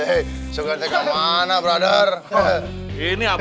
alis iwan adal ilhamul ibadululadzim